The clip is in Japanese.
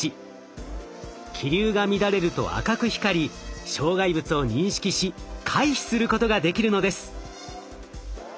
気流が乱れると赤く光り障害物を認識し回避することができるのです。